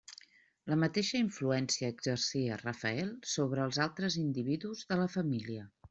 La mateixa influència exercia Rafael sobre els altres individus de la família.